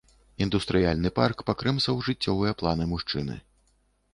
Індустрыяльны парк пакрэмсаў жыццёвыя планы мужчыны.